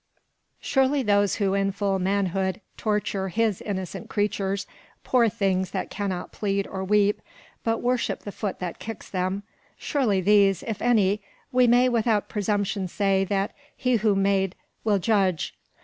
Surely those who in full manhood torture His innocent creatures poor things that cannot plead or weep, but worship the foot that kicks them surely these, if any, we may without presumption say that He who made will judge.